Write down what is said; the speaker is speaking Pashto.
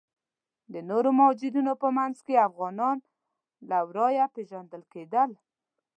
د نورو مهاجرینو په منځ کې افغانان له ورایه پیژندل کیدل.